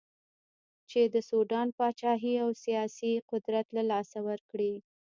چې د سوډان پاچهي او سیاسي قدرت له لاسه ورکړي.